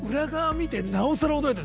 なおさら驚いてる。